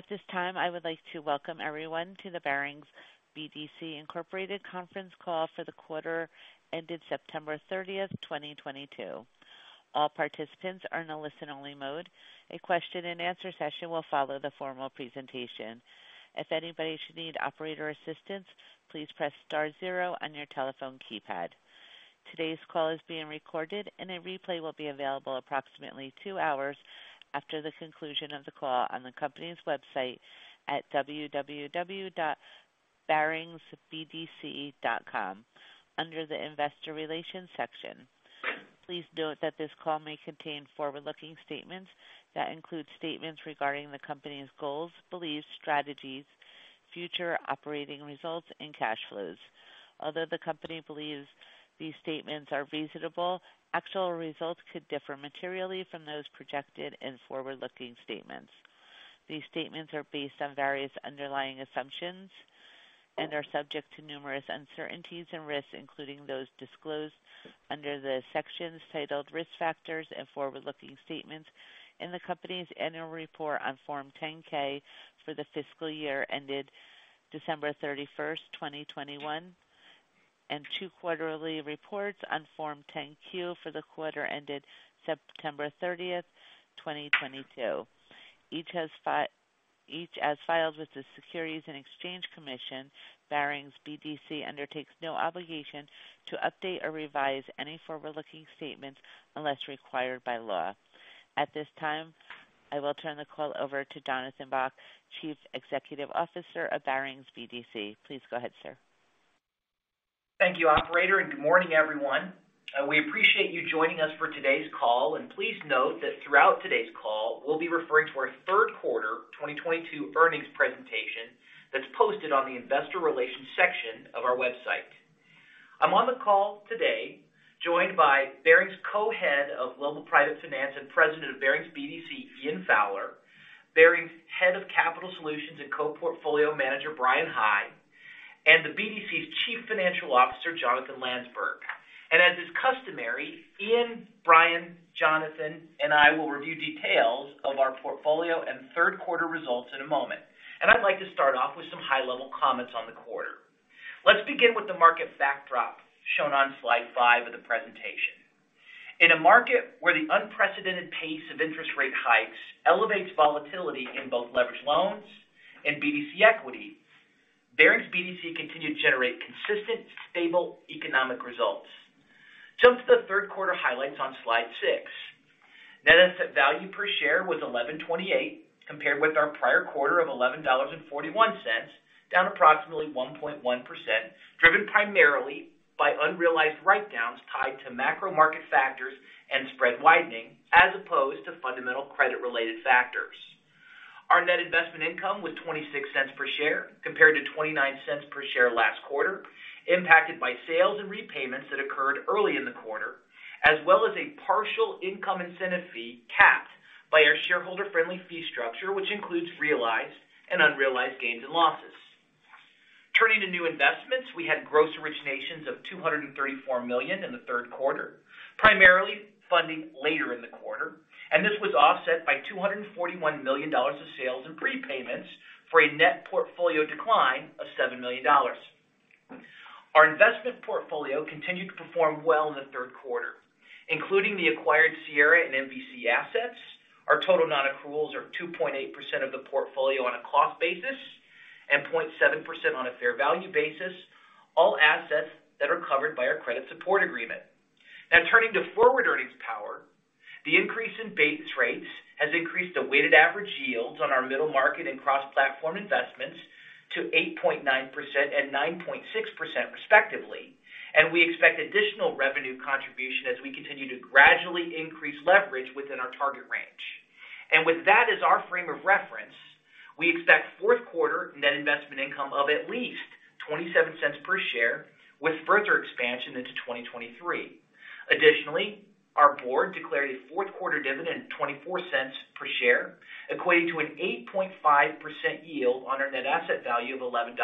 At this time, I would like to welcome everyone to the Barings BDC, Inc. conference call for the quarter ended September 30th, 2022. All participants are in a listen-only mode. A question-and-answer session will follow the formal presentation. If anybody should need operator assistance, please press star zero on your telephone keypad. Today's call is being recorded and a replay will be available approximately two hours after the conclusion of the call on the company's website at www.baringsbdc.com under the Investor Relations section. Please note that this call may contain forward-looking statements that include statements regarding the company's goals, beliefs, strategies, future operating results and cash flows. Although the company believes these statements are reasonable, actual results could differ materially from those projected in forward-looking statements. These statements are based on various underlying assumptions and are subject to numerous uncertainties and risks, including those disclosed under the sections titled Risk Factors and Forward-Looking Statements in the company's annual report on Form 10-K for the fiscal year ended December 31st, 2021, and two quarterly reports on Form 10-Q for the quarter ended September 30th, 2022. Each as filed with the Securities and Exchange Commission, Barings BDC undertakes no obligation to update or revise any forward-looking statements unless required by law. At this time, I will turn the call over to Jonathan Bock, Chief Executive Officer of Barings BDC. Please go ahead, sir. Thank you, operator, and good morning, everyone. We appreciate you joining us for today's call. Please note that throughout today's call, we'll be referring to our third quarter 2022 earnings presentation that's posted on the investor relations section of our website. I'm on the call today joined by Barings Co-Head of Global Private Finance and President of Barings BDC, Ian Fowler, Barings Head of Capital Solutions and Co-Portfolio Manager, Bryan High, and the BDC's Chief Financial Officer, Jonathan Landsberg. As is customary, Ian, Bryan, Jonathan, and I will review details of our portfolio and third quarter results in a moment. I'd like to start off with some high-level comments on the quarter. Let's begin with the market backdrop shown on slide five of the presentation. In a market where the unprecedented pace of interest rate hikes elevates volatility in both leveraged loans and BDC equity, Barings BDC continued to generate consistent, stable economic results. Jump to the third quarter highlights on slide six. Net asset value per share was $11.28, compared with our prior quarter of $11.41, down approximately 1.1%, driven primarily by unrealized write-downs tied to macro market factors and spread widening, as opposed to fundamental credit-related factors. Our net investment income was $0.26 per share, compared to $0.29 per share last quarter, impacted by sales and repayments that occurred early in the quarter, as well as a partial income incentive fee capped by our shareholder-friendly fee structure, which includes realized and unrealized gains and losses. Turning to new investments, we had gross originations of $234 million in the third quarter, primarily funding later in the quarter, and this was offset by $241 million of sales and prepayments for a net portfolio decline of $7 million. Our investment portfolio continued to perform well in the third quarter, including the acquired Sierra and MVC assets. Our total non-accruals are 2.8% of the portfolio on a cost basis and 0.7% on a fair value basis, all assets that are covered by our Credit Support Agreement. Now turning to forward earnings power, the increase in base rates has increased the weighted average yields on our middle market and cross-platform investments to 8.9% and 9.6% respectively. We expect additional revenue contribution as we continue to gradually increase leverage within our target range. With that as our frame of reference, we expect fourth quarter net investment income of at least $0.27 per share, with further expansion into 2023. Additionally, our board declared a fourth quarter dividend of $0.24 per share, equating to an 8.5% yield on our net asset value of $11.28,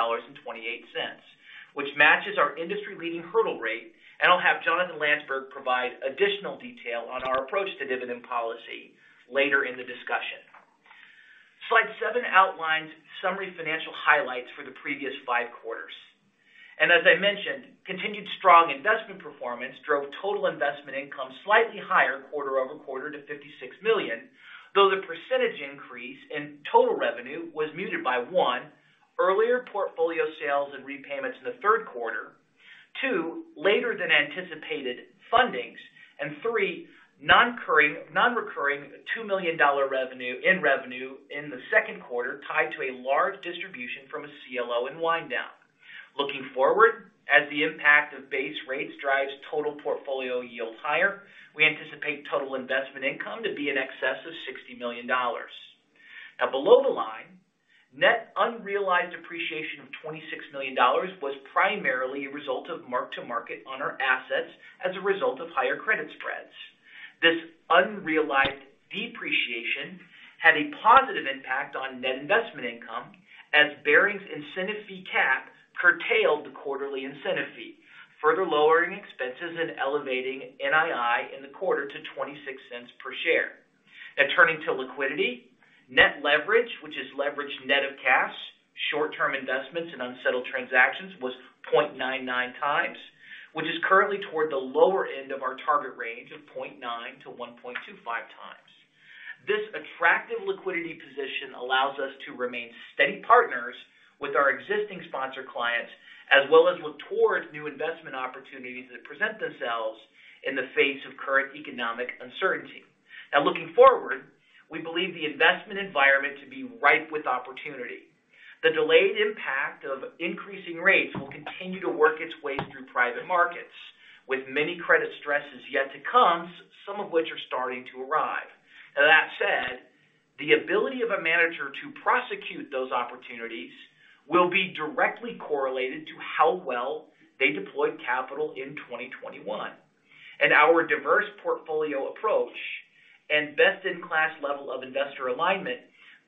which matches our industry leading hurdle rate. I'll have Jonathan Landsberg provide additional detail on our approach to dividend policy later in the discussion. Slide seven outlines summary financial highlights for the previous five quarters. As I mentioned, continued strong investment performance drove total investment income slightly higher quarter-over-quarter to $56 million, though the percentage increase in total revenue was muted by, one, earlier portfolio sales and repayments in the third quarter. Two, later than anticipated fundings. Three, non-recurring $2 million revenue in the second quarter tied to a large distribution from a CLO in wind down. Looking forward, as the impact of base rates drives total portfolio yields higher, we anticipate total investment income to be in excess of $60 million. Below the line, net unrealized appreciation of $26 million was primarily a result of mark-to-market on our assets as a result of higher credit spreads. This unrealized depreciation had a positive impact on net investment income. As Barings incentive fee cap curtailed the quarterly incentive fee, further lowering expenses and elevating NII in the quarter to $0.26 per share. Now turning to liquidity. Net leverage, which is leverage net of cash, short-term investments in unsettled transactions was 0.99x, which is currently toward the lower end of our target range of 0.9x-1.25x. This attractive liquidity position allows us to remain steady partners with our existing sponsor clients, as well as look towards new investment opportunities that present themselves in the face of current economic uncertainty. Now looking forward, we believe the investment environment to be ripe with opportunity. The delayed impact of increasing rates will continue to work its way through private markets, with many credit stresses yet to come, some of which are starting to arrive. Now that said, the ability of a manager to prosecute those opportunities will be directly correlated to how well they deployed capital in 2021. Our diverse portfolio approach and best-in-class level of investor alignment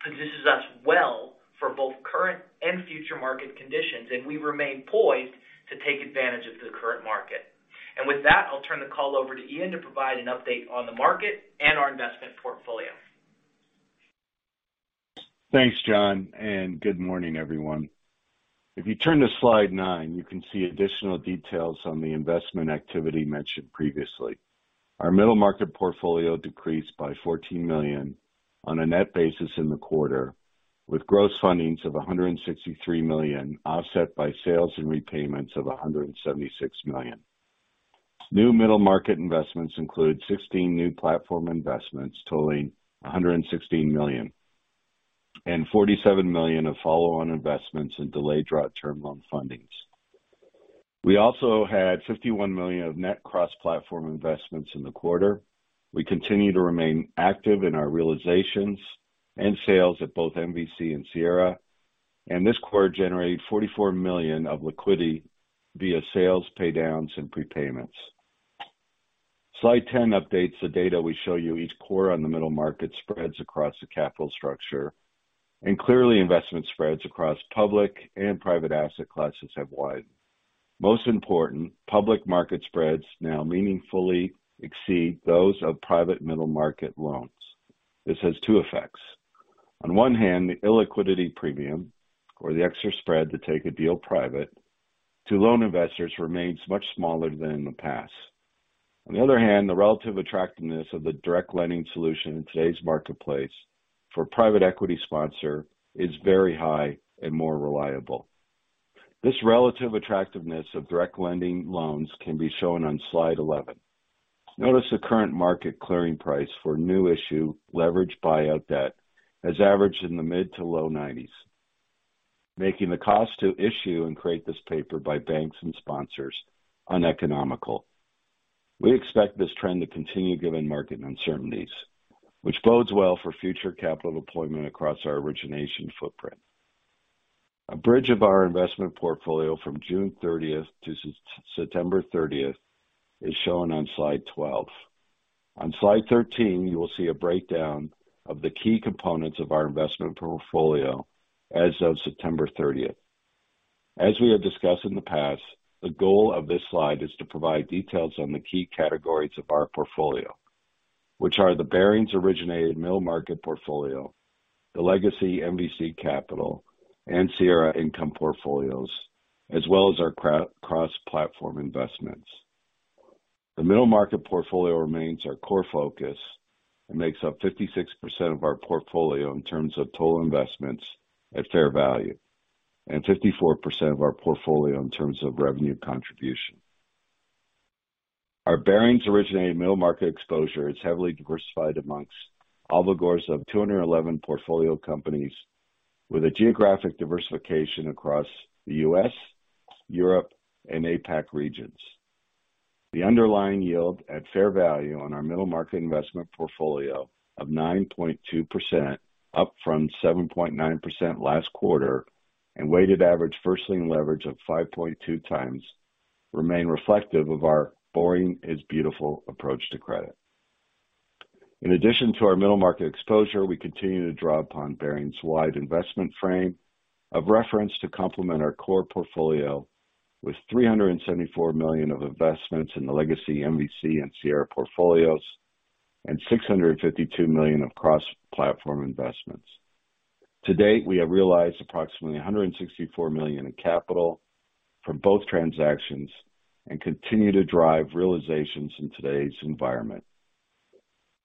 positions us well for both current and future market conditions, and we remain poised to take advantage of the current market. With that, I'll turn the call over to Ian to provide an update on the market and our investment portfolio. Thanks, Jon, and good morning, everyone. If you turn to slide nine, you can see additional details on the investment activity mentioned previously. Our middle market portfolio decreased by $14 million on a net basis in the quarter, with gross fundings of $163 million offset by sales and repayments of $176 million. New middle market investments include 16 new platform investments totaling $116 million and $47 million of follow-on investments in delayed draw term loan fundings. We also had $51 million of net cross-platform investments in the quarter. We continue to remain active in our realizations and sales at both MVC and Sierra, and this quarter generated $44 million of liquidity via sales pay downs and prepayments. Slide 10 updates the data we show you each quarter on the middle market spreads across the capital structure. Clearly investment spreads across public and private asset classes have widened. Most important, public market spreads now meaningfully exceed those of private middle market loans. This has two effects. On one hand, the illiquidity premium or the extra spread to take a deal private to loan investors remains much smaller than in the past. On the other hand, the relative attractiveness of the direct lending solution in today's marketplace for private equity sponsor is very high and more reliable. This relative attractiveness of direct lending loans can be shown on slide 11. Notice the current market clearing price for new issue leveraged buyout debt has averaged in the mid- to low-$90 milions, making the cost to issue and create this paper by banks and sponsors uneconomical. We expect this trend to continue given market uncertainties, which bodes well for future capital deployment across our origination footprint. A bridge of our investment portfolio from June 30th-September 30th is shown on slide 12. On slide 13, you will see a breakdown of the key components of our investment portfolio as of September 30th. As we have discussed in the past, the goal of this slide is to provide details on the key categories of our portfolio, which are the Barings originated middle market portfolio, the legacy MVC Capital and Sierra Income portfolios as well as our cross-platform investments. The middle market portfolio remains our core focus and makes up 56% of our portfolio in terms of total investments at fair value and 54% of our portfolio in terms of revenue contribution. Our Barings-originated middle market exposure is heavily diversified among obligors of 211 portfolio companies with a geographic diversification across the U.S., Europe and APAC regions. The underlying yield at fair value on our middle market investment portfolio of 9.2%, up from 7.9% last quarter and weighted average first lien leverage of 5.2x remain reflective of our boring is beautiful approach to credit. In addition to our middle market exposure, we continue to draw upon Barings-wide investment frame of reference to complement our core portfolio with $374 million of investments in the legacy MVC and Sierra portfolios and $652 million of cross-platform investments. To date, we have realized approximately $164 million in capital from both transactions and continue to drive realizations in today's environment.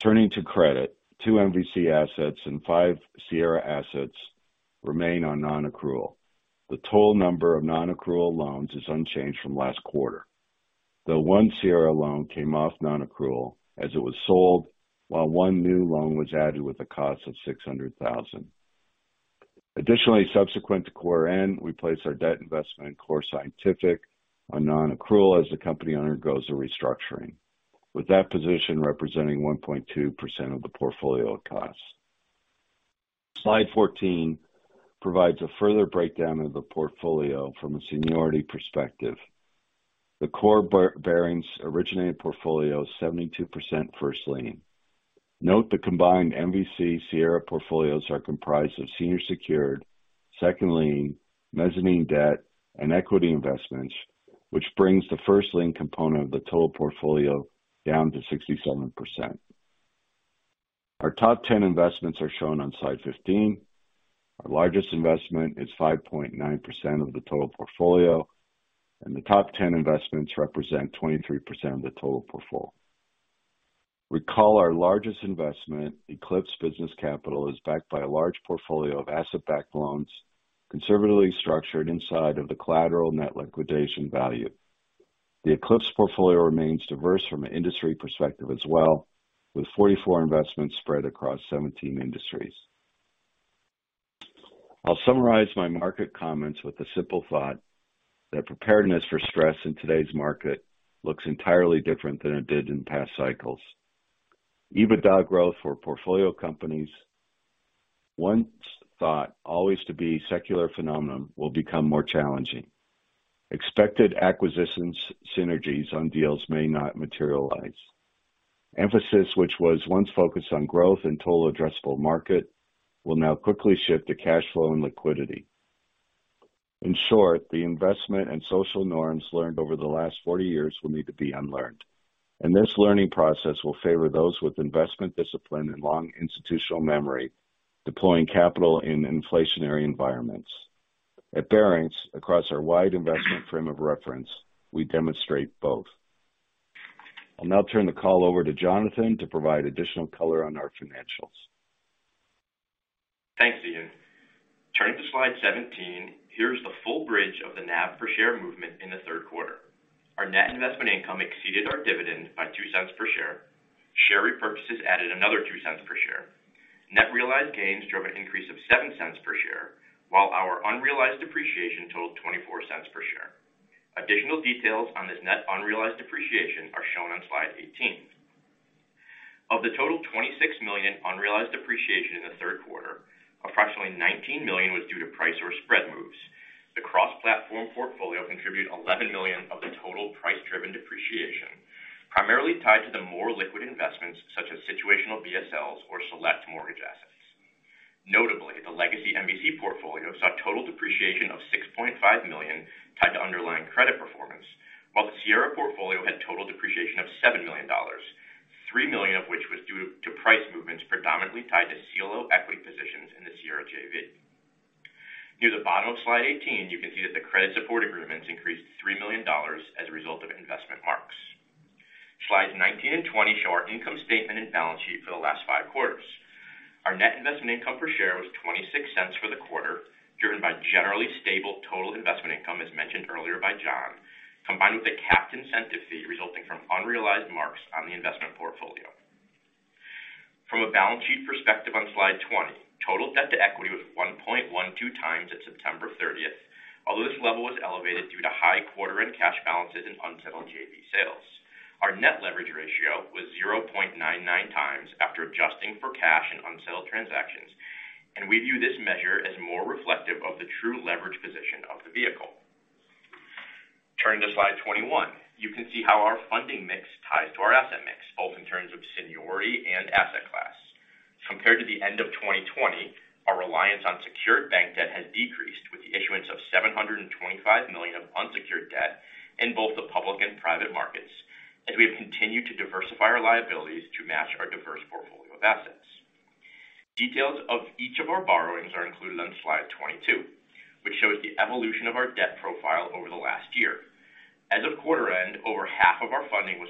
Turning to credit, two MVC assets and five Sierra assets remain on non-accrual. The total number of non-accrual loans is unchanged from last quarter, though one Sierra loan came off non-accrual as it was sold while one new loan was added with a cost of $600,000. Additionally, subsequent to quarter end, we placed our debt investment in Core Scientific on non-accrual as the company undergoes a restructuring. With that position representing 1.2% of the portfolio cost. Slide 14 provides a further breakdown of the portfolio from a seniority perspective. The core Barings originated portfolio is 72% first lien. Note the combined MVC Sierra portfolios are comprised of senior secured, second lien, mezzanine debt and equity investments, which brings the first lien component of the total portfolio down to 67%. Our top 10 investments are shown on slide 15. Our largest investment is 5.9% of the total portfolio, and the top 10 investments represent 23% of the total portfolio. Recall our largest investment, Eclipse Business Capital, is backed by a large portfolio of asset-backed loans conservatively structured inside of the collateral net liquidation value. The Eclipse portfolio remains diverse from an industry perspective as well, with 44 investments spread across 17 industries. I'll summarize my market comments with a simple thought that preparedness for stress in today's market looks entirely different than it did in past cycles. EBITDA growth for portfolio companies once thought always to be secular phenomenon will become more challenging. Expected acquisitions synergies on deals may not materialize. Emphasis which was once focused on growth and total addressable market will now quickly shift to cash flow and liquidity. In short, the investment and social norms learned over the last 40 years will need to be unlearned, and this learning process will favor those with investment discipline and long institutional memory, deploying capital in inflationary environments. At Barings, across our wide investment frame of reference, we demonstrate both. I'll now turn the call over to Jonathan to provide additional color on our financials. Thanks, Ian. Turning to slide 17, here's the full bridge of the NAV per share movement in the third quarter. Our net investment income exceeded our dividend by $0.02 per share. Share repurchases added another $0.02 per share. Net realized gains drove an increase of $0.07 per share, while our unrealized appreciation totaled $0.24 per share. Additional details on this net unrealized depreciation are shown on slide 18. Of the total $26 million unrealized depreciation in the third quarter, approximately $19 million was due to price or spread moves. The cross-platform portfolio contributed $11 million of the total price-driven depreciation, primarily tied to the more liquid investments such as situational BSLs or select mortgage assets. Notably, the legacy MVC portfolio saw total depreciation of $6.5 million tied to underlying credit performance, while the Sierra portfolio had total depreciation of $7 million, $3 million of which was due to price movements predominantly tied to CLO equity positions in the Sierra JV. Near the bottom of slide 18, you can see that the credit support agreements increased $3 million as a result of investment marks. Slides 19 and 20 show our income statement and balance sheet for the last five quarters. Our net investment income per share was $0.26 for the quarter, driven by generally stable total investment income as mentioned earlier by Jon, combined with a capped incentive fee resulting from unrealized marks on the investment portfolio. From a balance sheet perspective on slide 20, total debt to equity was 1.12x at September 30th. Although this level was elevated due to high quarter and cash balances in unsettled JV sales. Our net leverage ratio was 0.9x after adjusting for cash and unsettled transactions, and we view this measure as more reflective of the true leverage position of the vehicle. Turning to slide 21, you can see how our funding mix ties to our asset mix, both in terms of seniority and asset class. Compared to the end of 2020, our reliance on secured bank debt has decreased with the issuance of $725 million of unsecured debt in both the public and private markets as we have continued to diversify our liabilities to match our diverse portfolio of assets. Details of each of our borrowings are included on slide 22, which shows the evolution of our debt profile over the last year. As of quarter end, over half of our funding was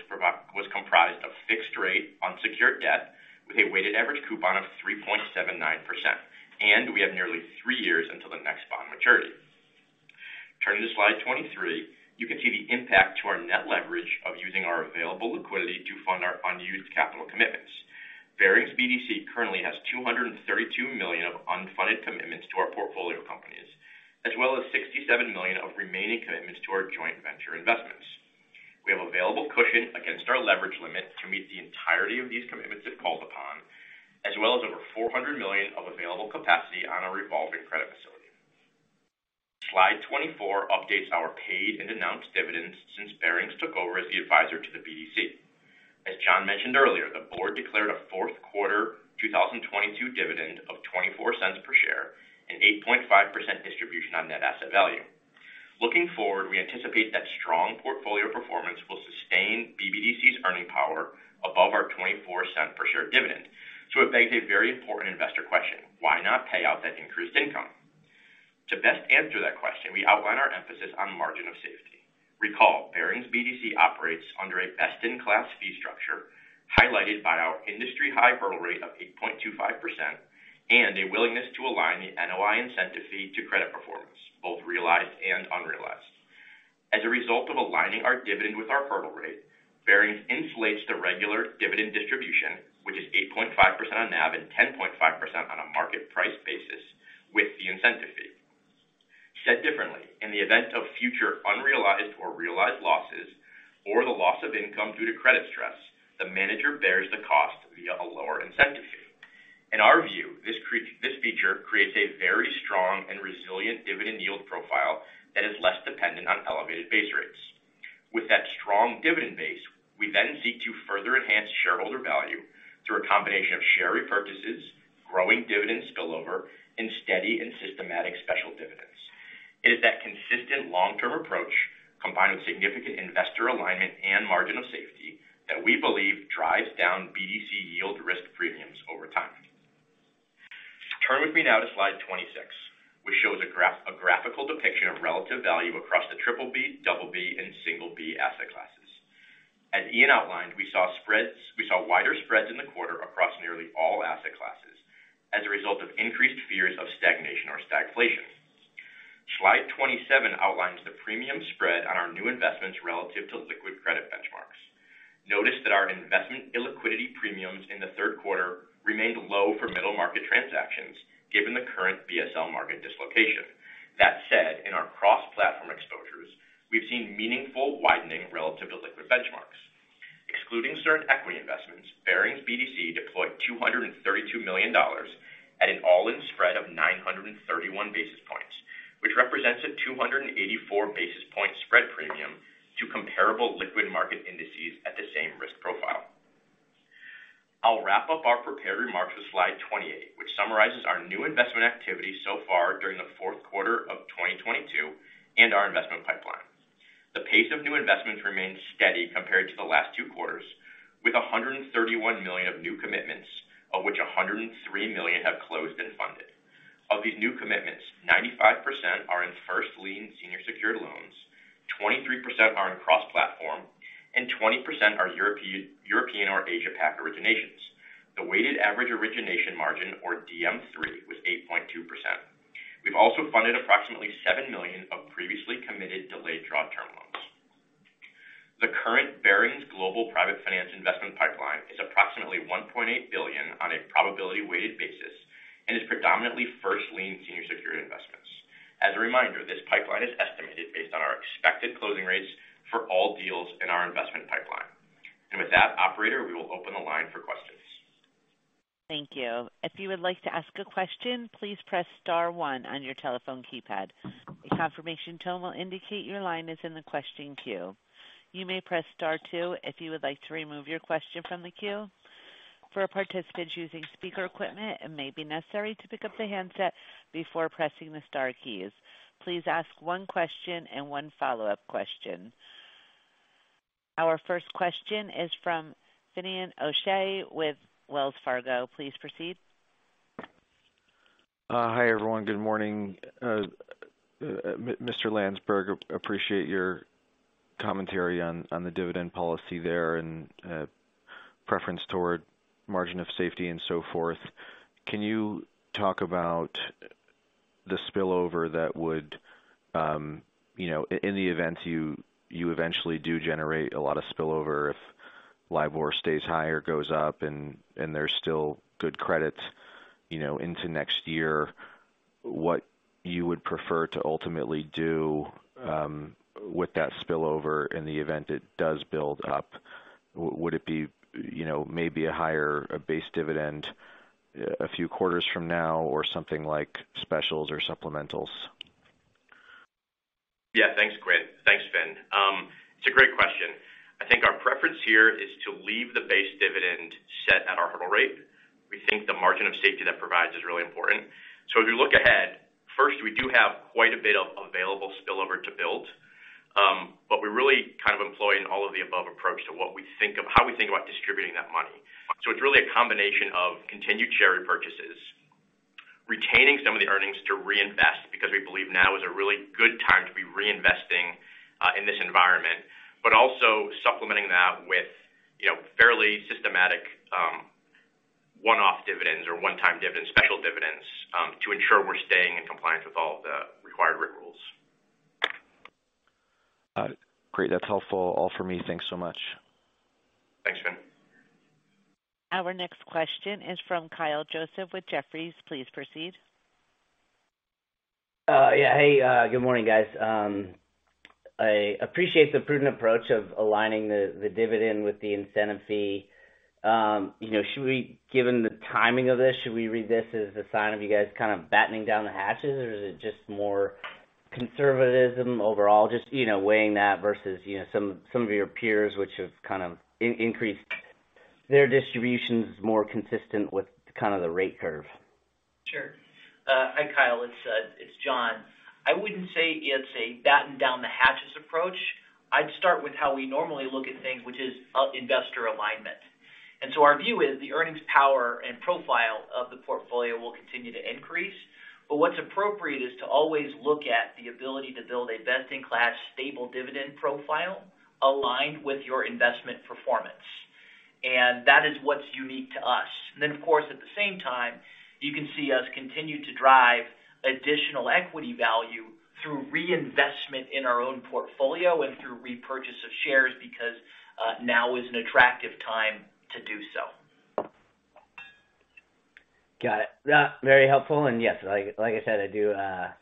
comprised of fixed rate unsecured debt with a weighted average coupon of 3.79%, and we have nearly three years until the next bond maturity. Turning to slide 23, you can see the impact to our net leverage of using our available liquidity to fund our unused capital commitments. Barings BDC currently has $232 million of unfunded commitments to our portfolio companies, as well as $67 million of remaining commitments to our joint venture investments. We have available cushion against our leverage limit to meet the entirety of these commitments if called upon, as well as over $400 million of available capacity on our revolving credit facility. Slide 24 updates our paid and announced dividends since Barings took over as the advisor to the BDC. As Jon mentioned earlier, the board declared a fourth quarter 2022 dividend of $0.24 per share, an 8.5% distribution on net asset value. Looking forward, we anticipate that strong portfolio performance will sustain BBDC's earning power above our $0.24 per share dividend. It begs a very important investor question. Why not pay out that increased income? To best answer that question, we outline our emphasis on margin of safety. Recall, Barings BDC operates under a best-in-class fee structure highlighted by our industry-high hurdle rate of 8.25% and a willingness to align the NOI incentive fee to credit performance, both realized and unrealized. As a result of aligning our dividend with our hurdle rate, Barings insulates the regular dividend distribution, which is 8.5% on NAV and 10.5% on a market price basis with the incentive fee. Said differently, in the event of future unrealized or realized losses or the loss of income due to credit stress, the manager bears the cost via a lower incentive fee. In our view, this feature creates a very strong and resilient dividend yield profile that is less dependent on elevated base rates. With that strong dividend base, we then seek to further enhance shareholder value through a combination of share repurchases, growing dividend spillover, and steady and systematic special dividends. It is that consistent long-term approach, combined with significant investor alignment and margin of safety, that we believe drives down BDC yield risk premiums over time. Turn with me now to slide 26, which shows a graphical depiction of relative value across the triple-B, double-B, and single-B asset classes. As Ian outlined, we saw wider spreads in the quarter across nearly all asset classes as a result of increased fears of stagnation or stagflation. Slide 27 outlines the premium spread on our new investments relative to liquid credit benchmarks. Notice that our investment illiquidity premiums in the third quarter remained low for middle market transactions given the current BSL market dislocation. That said, in our cross-platform exposures, we've seen meaningful widening relative to liquid benchmarks. Excluding certain equity investments, Barings BDC deployed $232 million at an all-in spread of 931 basis points, which represents a 284 basis point spread premium to comparable liquid market indices at the same risk profile. I'll wrap up our prepared remarks with slide 28, which summarizes our new investment activity so far during the fourth quarter of 2022 and our investment pipeline. The pace of new investments remains steady compared to the last two quarters, with $131 million of new commitments, of which $103 million have closed and funded. Of these new commitments, 95% are in first lien senior secured loans, 23% are in cross-platform, and 20% are European or Asia Pac originations. The weighted average origination margin, or DM+3, was 8.2%. We've also funded approximately $7 million of previously committed delayed draw term loans. The current Barings global private finance investment pipeline is approximately $1.8 billion on a probability weighted basis and is predominantly first lien senior secured investments. As a reminder, this pipeline is estimated based on our expected closing rates for all deals in our investment pipeline. With that, operator, we will open the line for questions. Thank you. If you would like to ask a question, please press star one on your telephone keypad. A confirmation tone will indicate your line is in the question queue. You may press star two if you would like to remove your question from the queue. For participants using speaker equipment, it may be necessary to pick up the handset before pressing the star keys. Please ask one question and one follow-up question. Our first question is from Finian O'Shea with Wells Fargo. Please proceed. Hi, everyone. Good morning. Mr. Landsberg, appreciate your commentary on the dividend policy there and preference toward margin of safety and so forth. Can you talk about the spillover that would, you know, in the event you eventually do generate a lot of spillover if LIBOR stays high or goes up and there's still good credit, you know, into next year, what you would prefer to ultimately do with that spillover in the event it does build up? Would it be, you know, maybe a higher base dividend a few quarters from now or something like specials or supplementals? Yeah. Thanks, great. Thanks, Fin. It's a great question. I think our preference here is to leave the base dividend set at our hurdle rate. We think the margin of safety that provides is really important. If you look ahead, first, we do have quite a bit of available spillover to build. But we're really kind of employing all of the above approach to how we think about distributing that money. It's really a combination of continued share repurchases, retaining some of the earnings to reinvest, because we believe now is a really good time to be reinvesting in this environment. But also supplementing that with, you know, fairly systematic one-off dividends or one-time dividends, special dividends to ensure we're staying in compliance with all of the required risk rules. Great. That's helpful. All for me. Thanks so much. Thanks, Fin. Our next question is from Kyle Joseph with Jefferies. Please proceed. Yeah. Hey, good morning, guys. I appreciate the prudent approach of aligning the dividend with the incentive fee. You know, given the timing of this, should we read this as a sign of you guys kind of battening down the hatches, or is it just more conservatism overall? Just, you know, weighing that versus, you know, some of your peers which have kind of increased their distributions more consistent with kind of the rate curve. Sure. Hi, Kyle. It's Jon. I wouldn't say it's a batten down the hatches approach. I'd start with how we normally look at things, which is investor alignment. Our view is the earnings power and profile of the portfolio will continue to increase. What's appropriate is to always look at the ability to build a best-in-class stable dividend profile aligned with your investment performance. That is what's unique to us. Of course, at the same time, you can see us continue to drive additional equity value through reinvestment in our own portfolio and through repurchase of shares because now is an attractive time to do so. Got it. That's very helpful. Yes, like I said, I do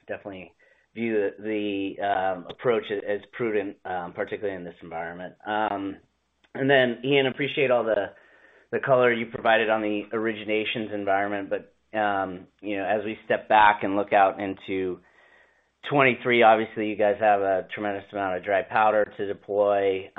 definitely view the approach as prudent, particularly in this environment. Ian, I appreciate all the color you provided on the originations environment. You know, as we step back and look out into 2023, obviously you guys have a tremendous amount of dry powder to deploy,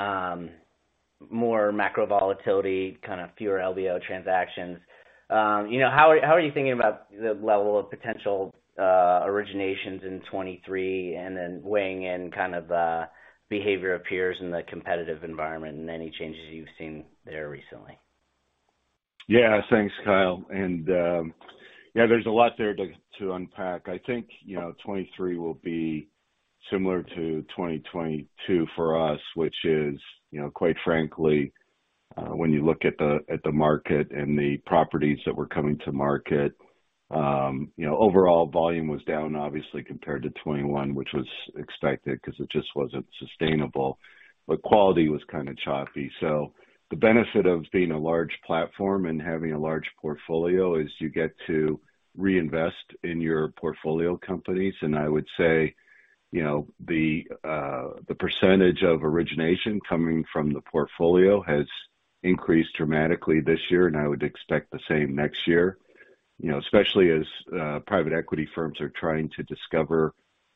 more macro volatility, kind of fewer LBO transactions. You know, how are you thinking about the level of potential originations in 2023 and then weighing in kind of behavior of peers in the competitive environment and any changes you've seen there recently? Yeah. Thanks, Kyle. There's a lot there to unpack. I think, you know, 2023 will be similar to 2022 for us, which is, you know, quite frankly, when you look at the market and the properties that were coming to market, you know, overall volume was down obviously compared to 2021, which was expected because it just wasn't sustainable. Quality was kind of choppy. The benefit of being a large platform and having a large portfolio is you get to reinvest in your portfolio companies. I would say, you know, the percentage of origination coming from the portfolio has increased dramatically this year, and I would expect the same next year. You know, especially as private equity firms are trying to discover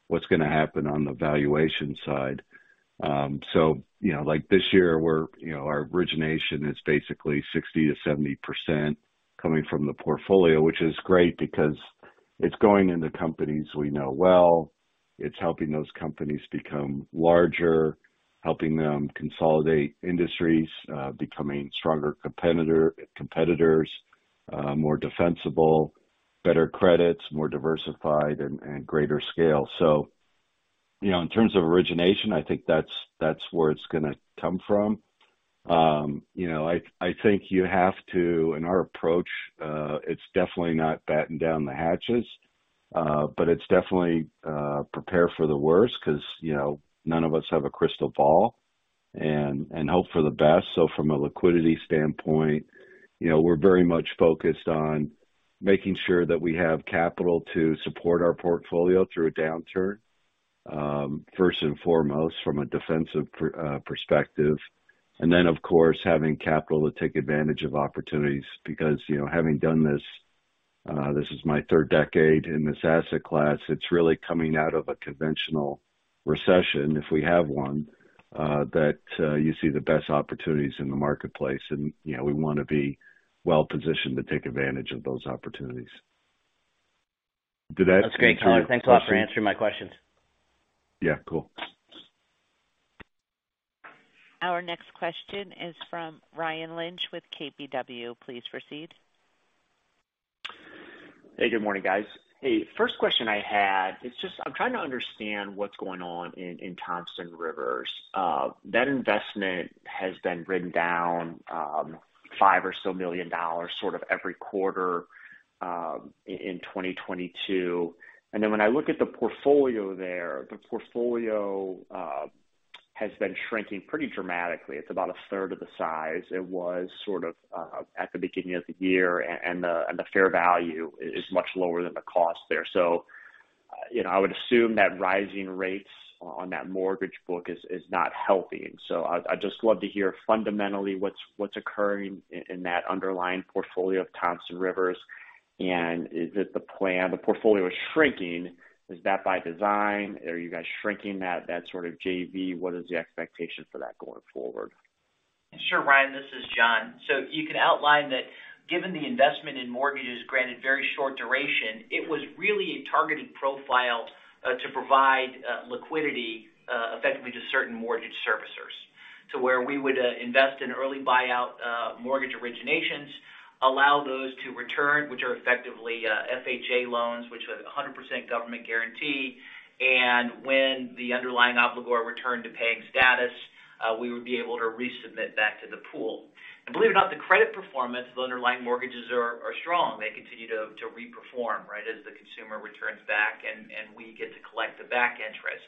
what's gonna happen on the valuation side. You know, like this year we're, you know, our origination is basically 60%-70% coming from the portfolio, which is great because it's going into companies we know well. It's helping those companies become larger, helping them consolidate industries, becoming stronger competitors, more defensible, better credits, more diversified and greater scale. You know, in terms of origination, I think that's where it's gonna come from. You know, I think you have to, in our approach, it's definitely not batten down the hatches, but it's definitely prepare for the worst because, you know, none of us have a crystal ball, and hope for the best. From a liquidity standpoint, you know, we're very much focused on making sure that we have capital to support our portfolio through a downturn, first and foremost from a defensive perspective. Of course, having capital to take advantage of opportunities because, you know, having done this is my third decade in this asset class, it's really coming out of a conventional recession, if we have one, that you see the best opportunities in the marketplace. You know, we wanna be well positioned to take advantage of those opportunities. Did that answer your question? That's great color. Thanks a lot for answering my questions. Yeah, cool. Our next question is from Ryan Lynch with KBW. Please proceed. Hey, good morning, guys. Hey, first question I had is just I'm trying to understand what's going on in Thompson Rivers. That investment has been written down $5 million or so sort of every quarter in 2022. When I look at the portfolio there, the portfolio has been shrinking pretty dramatically. It's about a third of the size it was sort of at the beginning of the year, and the fair value is much lower than the cost there. You know, I would assume that rising rates on that mortgage book is not helping. I'd just love to hear fundamentally what's occurring in that underlying portfolio of Thompson Rivers, and is it the plan. The portfolio is shrinking, is that by design? Are you guys shrinking that sort of JV? What is the expectation for that going forward? Sure, Ryan, this is Jon. You can outline that given the investment in mortgages granted very short duration, it was really a targeted profile to provide liquidity effectively to certain mortgage servicers to where we would invest in early buyout mortgage originations, allow those to return, which are effectively FHA loans, which have a 100% government guarantee. When the underlying obligor returned to paying status, we would be able to resubmit back to the pool. Believe it or not, the credit performance of the underlying mortgages are strong. They continue to reperform, right? As the consumer returns back and we get to collect the back interest.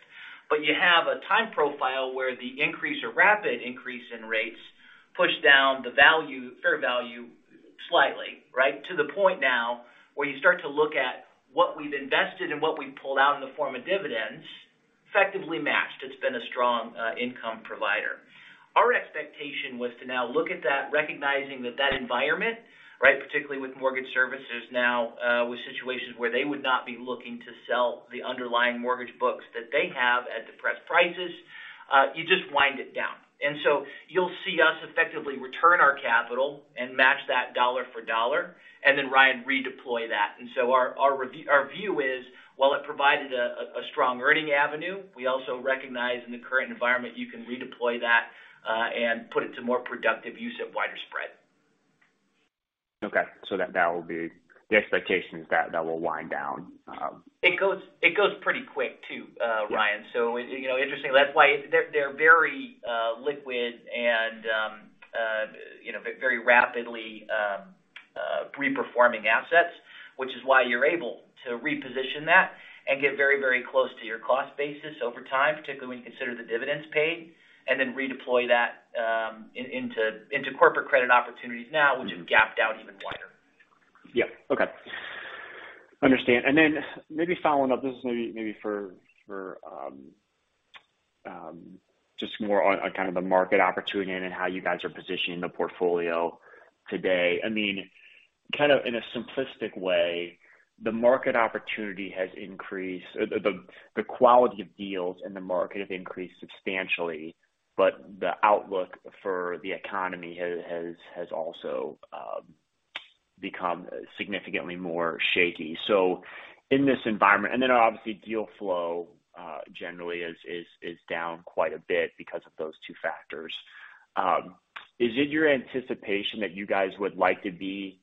You have a time profile where the increase or rapid increase in rates push down the value, fair value slightly, right? To the point now where you start to look at what we've invested and what we've pulled out in the form of dividends effectively matched. It's been a strong income provider. Our expectation was to now look at that, recognizing that that environment, right? Particularly with mortgage services now, with situations where they would not be looking to sell the underlying mortgage books that they have at depressed prices, you just wind it down. You'll see us effectively return our capital and match that dollar for dollar and then Ryan redeploy that. Our view is, while it provided a strong earning avenue, we also recognize in the current environment you can redeploy that, and put it to more productive use at wider spread. Okay. That now will be the expectations that will wind down. It goes pretty quick too, Ryan. Yeah. You know, interestingly, that's why they're very liquid and you know very rapidly reperforming assets, which is why you're able to reposition that and get very, very close to your cost basis over time, particularly when you consider the dividends paid, and then redeploy that into corporate credit opportunities now which have gapped out even wider. Yeah. Okay. Understand. Maybe following up, this is maybe for just more on kind of the market opportunity and how you guys are positioning the portfolio today. I mean, kind of in a simplistic way, the market opportunity has increased. The quality of deals in the market have increased substantially, but the outlook for the economy has also become significantly more shaky. In this environment, obviously, deal flow generally is down quite a bit because of those two factors. Is it your anticipation that you guys would like to be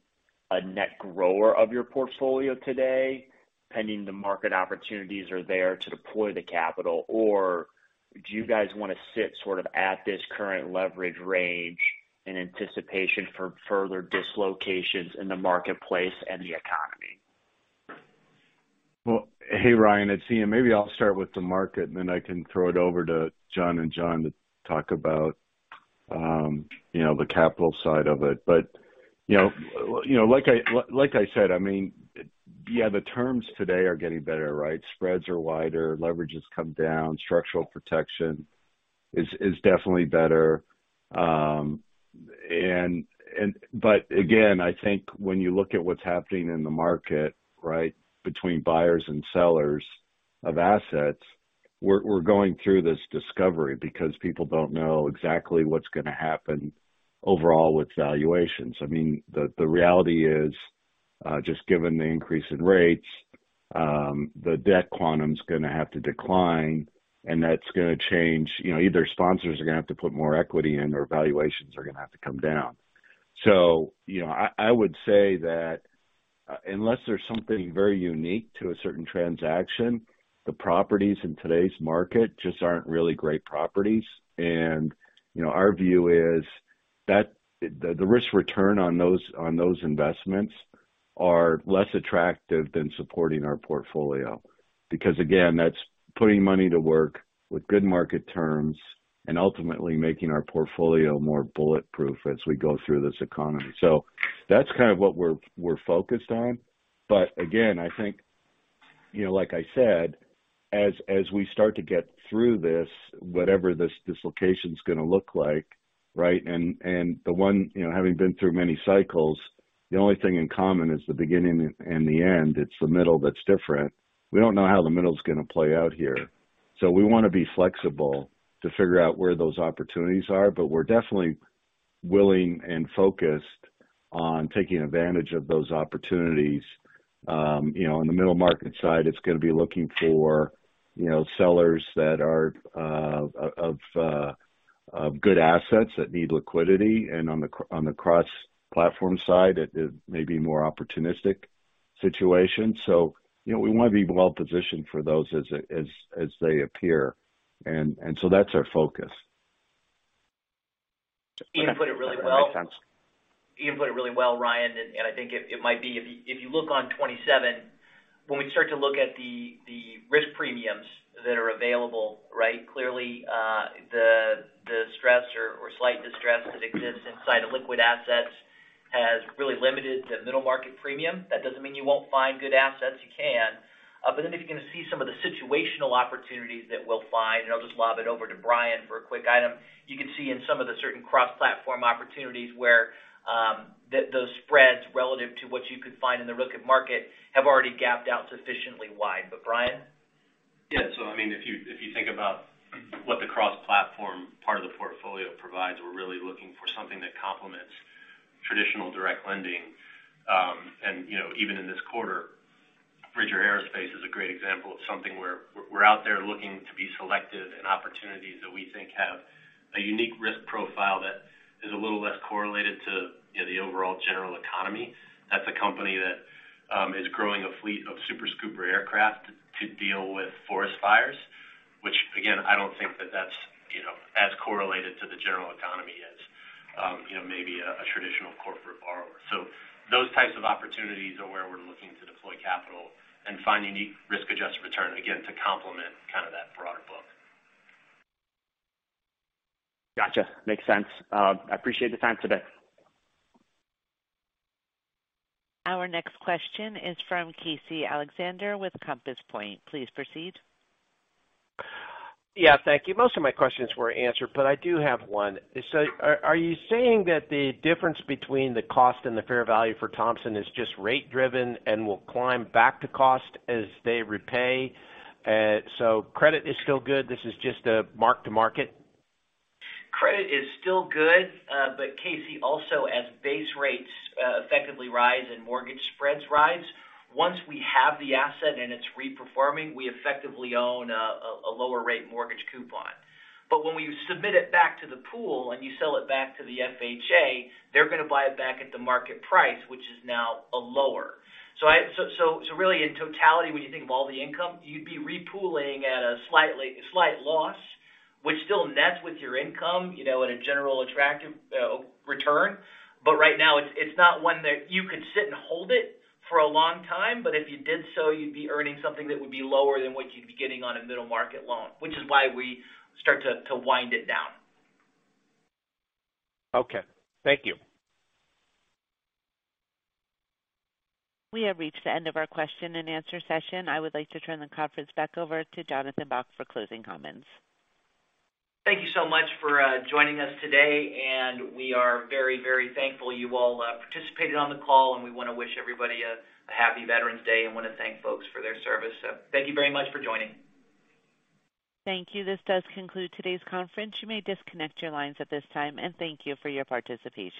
a net grower of your portfolio today, pending the market opportunities are there to deploy the capital, or do you guys wanna sit sort of at this current leverage range in anticipation for further dislocations in the marketplace and the economy? Well, hey, Ryan, it's Ian. Maybe I'll start with the market, and then I can throw it over to Jon and Jon to talk about, you know, the capital side of it. You know, like I said, I mean, yeah, the terms today are getting better, right? Spreads are wider, leverage has come down, structural protection is definitely better. Again, I think when you look at what's happening in the market, right, between buyers and sellers of assets, we're going through this discovery because people don't know exactly what's gonna happen overall with valuations. I mean, the reality is, just given the increase in rates, the debt quantum's gonna have to decline, and that's gonna change. You know, either sponsors are gonna have to put more equity in or valuations are gonna have to come down. You know, I would say that unless there's something very unique to a certain transaction, the properties in today's market just aren't really great properties. Our view is that the risk return on those investments are less attractive than supporting our portfolio. Because again, that's putting money to work with good market terms and ultimately making our portfolio more bulletproof as we go through this economy. That's kind of what we're focused on. Again, I think, you know, like I said, as we start to get through this, whatever this dislocation's gonna look like, right? The one, you know, having been through many cycles, the only thing in common is the beginning and the end. It's the middle that's different. We don't know how the middle is gonna play out here, so we wanna be flexible to figure out where those opportunities are. We're definitely willing and focused on taking advantage of those opportunities. You know, on the middle market side, it's gonna be looking for, you know, sellers that are of good assets that need liquidity. On the cross-platform side, it may be more opportunistic situation. You know, we wanna be well positioned for those as they appear. That's our focus. Ian put it really well, Ryan. I think it might be if you look on 27, when we start to look at the risk premiums that are available, right? Clearly, the stress or slight distress that exists inside of liquid assets has really limited the middle market premium. That doesn't mean you won't find good assets. You can. If you can see some of the situational opportunities that we'll find, I'll just lob it over to Bryan for a quick item. You can see in some of the certain cross-platform opportunities where those spreads relative to what you could find in the liquid market have already gapped out sufficiently wide. Bryan? Yeah. I mean, if you think about what the cross-platform part of the portfolio provides, we're really looking for something that complements traditional direct lending. You know, even in this quarter, Bridger Aerospace is a great example of something where we're out there looking to be selective in opportunities that we think have a unique risk profile that is a little less correlated to you know, the overall general economy. That's a company that is growing a fleet of Super Scooper aircraft to deal with forest fires, which again, I don't think that's you know, as correlated to the general economy as you know, maybe a traditional corporate borrower. Those types of opportunities are where we're looking to deploy capital and find unique risk-adjusted return, again, to complement kind of that broader book. Gotcha. Makes sense. I appreciate the time today. Our next question is from Casey Alexander with Compass Point. Please proceed. Yeah, thank you. Most of my questions were answered, but I do have one. Are you saying that the difference between the cost and the fair value for Thompson is just rate driven and will climb back to cost as they repay? Credit is still good. This is just a mark to market. Credit is still good. Casey, also as base rates effectively rise and mortgage spreads rise, once we have the asset and it's re-performing, we effectively own a lower rate mortgage coupon. When you submit it back to the pool and you sell it back to the FHA, they're gonna buy it back at the market price, which is now lower. Really in totality, when you think of all the income, you'd be re-pooling at a slightly slight loss, which still nets with your income, you know, at a general attractive return. Right now it's not one that you could sit and hold it for a long time, but if you did so, you'd be earning something that would be lower than what you'd be getting on a middle market loan, which is why we start to wind it down. Okay. Thank you. We have reached the end of our question-and-answer session. I would like to turn the conference back over to Jonathan Bock for closing comments. Thank you so much for joining us today, and we are very, very thankful you all participated on the call, and we wanna wish everybody a happy Veterans Day and wanna thank folks for their service. Thank you very much for joining. Thank you. This does conclude today's conference. You may disconnect your lines at this time, and thank you for your participation.